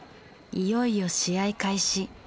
いよいよ試合開始。